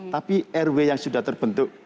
tapi rw yang sudah terbentuk